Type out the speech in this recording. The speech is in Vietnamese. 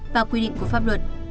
và quy định của pháp luật